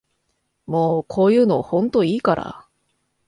もうこういうのほんといいから